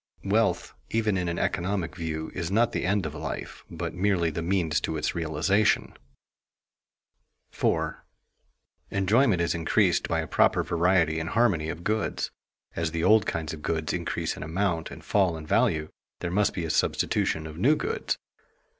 Wealth, even in an economic view, is not the end of life, but merely the means to its realization. [Sidenote: Variety and harmony in the choice of goods] 4. Enjoyment is increased by a proper variety and harmony of goods. As the old kinds of goods increase in amount and fall in value, there must be a substitution of new goods.